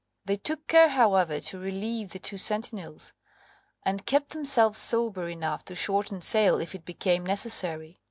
They took care, however, to relieve the two sentinels, and kept themselves sober enough to shorten sail if it became necessary.